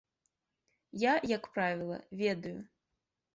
Я, як правіла, ведаю.